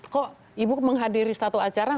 kok ibu menghadiri satu acara